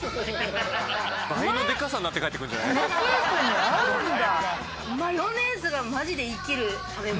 このスープに合うんだ。